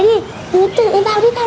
đúng rồi đấy ạ